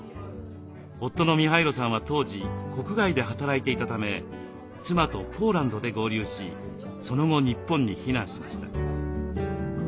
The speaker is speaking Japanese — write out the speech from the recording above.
夫のミハイロさんは当時国外で働いていたため妻とポーランドで合流しその後日本に避難しました。